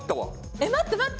えっ待って待って。